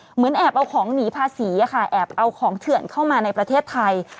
เหมือนแอบเอาของหนีภาษีค่ะแอบเอาของเถื่อนเข้ามาในประเทศไทย